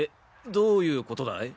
どういうことだい？